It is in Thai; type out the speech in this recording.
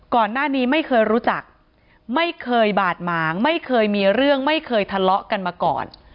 ก่อนหน้านี้ไม่เคยรู้จักไม่เคยบาดหมางไม่เคยมีเรื่องไม่เคยทะเลาะกันมาก่อน